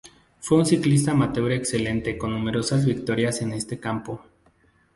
Fue un ciclista amateur excelente con numerosas victorias en este campo.